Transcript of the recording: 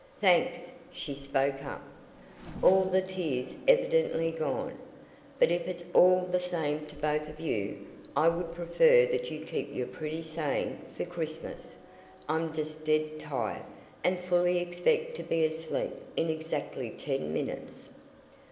"Thanks!" she spoke up, all the tears evidently gone. "But if it's all the same to both of you, I would prefer that you keep your pretty saying for Christmas. I'm just dead tired, and fully expect to be asleep in exactly ten minutes."